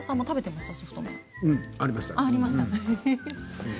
食べていました。